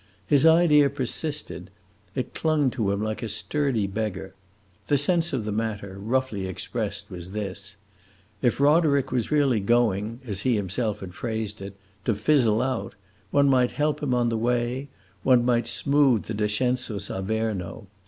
His idea persisted; it clung to him like a sturdy beggar. The sense of the matter, roughly expressed, was this: If Roderick was really going, as he himself had phrased it, to "fizzle out," one might help him on the way one might smooth the descensus Averno.